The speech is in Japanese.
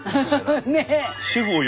ねえ。